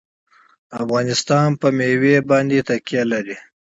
افغانستان په مېوې باندې تکیه لري.